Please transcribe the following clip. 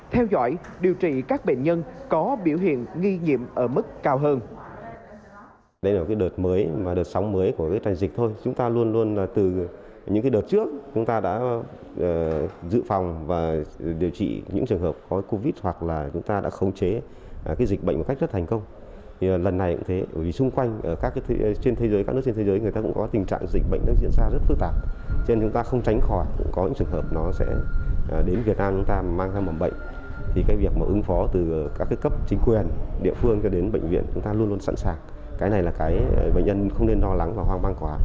theo dõi điều trị các bệnh nhân có biểu hiện nghi nhiệm ở mức cao hơn